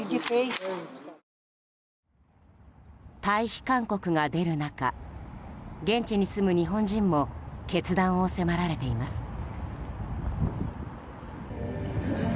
退避勧告が出る中現地に住む日本人も決断を迫られています。